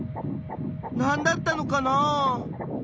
何だったのかなあ？